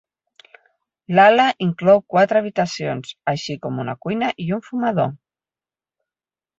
L'ala inclou quatre habitacions, així com una cuina i un fumador.